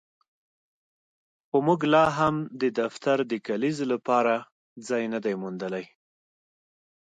خو موږ لاهم د دفتر د کلیزې لپاره ځای نه دی موندلی